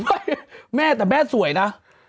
แม่แต่แม่สวยนะ